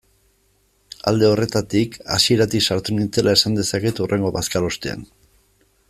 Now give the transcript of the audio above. Alde horretatik, hasieratik sartu nintzela esan dezaket hurrengo bazkalostean.